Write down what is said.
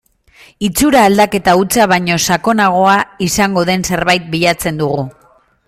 Itxura aldaketa hutsa baino sakonagoa izango den zerbait bilatzen dugu.